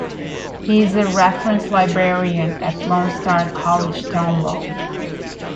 He is a reference librarian at Lone Star College-Tomball.